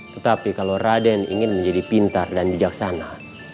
tetapi kalau raden ingin menjadi pintar dan bijaksana